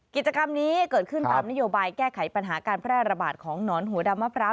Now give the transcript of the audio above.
กิจกรรมนี้เกิดขึ้นตามนโยบายแก้ไขปัญหาการแพร่ระบาดของหนอนหัวดำมะพร้าว